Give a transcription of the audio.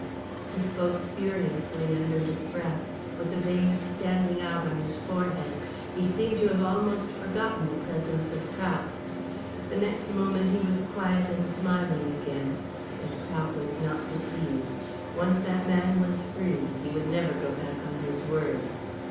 He spoke furiously under his breath, with the veins standing out on his forehead. He seemed to have almost forgotten the presence of Prout. The next moment he was quiet and smiling again, but Prout was not deceived. Once that man was free he would never go back on his word.